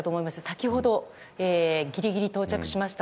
先ほどギリギリ到着しました。